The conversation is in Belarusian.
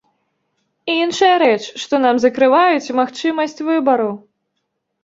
Іншая рэч, што нам закрываюць магчымасць выбару.